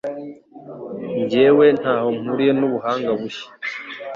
Njyewe ntaho mpuriye nubuhanga bushya.